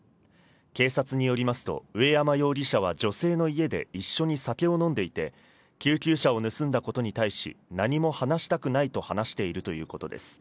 警察によりますと、上山容疑者は女性の家で一緒に酒を飲んでいて、救急車を盗んだことに対し、何も話したくないと話しているということです。